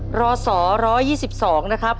พศ๑๒๒นะครับ